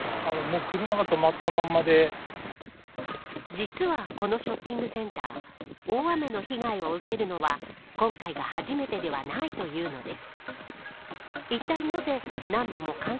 実はこのショッピングセンター大雨の被害を受けるのは今回が初めてではないというのです。